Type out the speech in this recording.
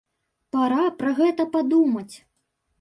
Пара пра гэта падумаць.